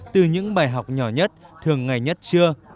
từ những bài học nhỏ nhất thường ngày nhất trưa